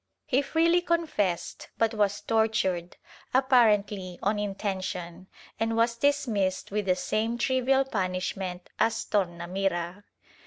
He freely confessed but was tortured — apparently on intention — and was dismissed with the same trivial punishment as Torna mira.